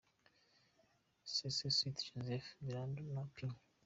S St Joseph Birambo na P.